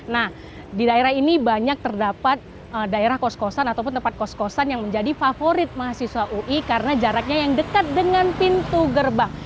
nah di daerah ini banyak terdapat daerah kos kosan ataupun tempat kos kosan yang menjadi favorit mahasiswa ui karena jaraknya yang dekat dengan pintu gerbang